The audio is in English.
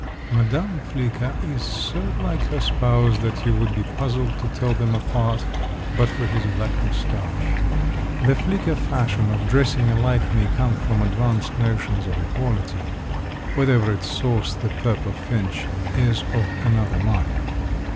Madame Flicker is so like her spouse that you would be puzzled to tell them apart, but for his black mustache. The flicker fashion of dressing alike may come from advanced notions of equality; whatever its source, the purple finch is of another mind.